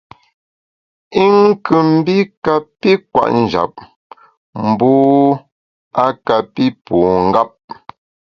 I nkù mbi kapi kwet njap, mbu a kapi pu ngap.